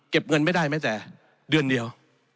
เงินไม่ได้แม้แต่เดือนเดียว